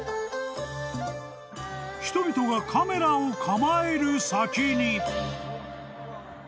［人々がカメラを構える先に］